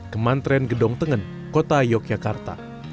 kementerian gedong tengen kota yogyakarta